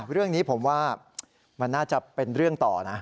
เรื่องนี้ผมว่ามันน่าจะเป็นเรื่องต่อนะ